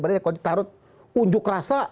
kalau ditaruh unjuk rasa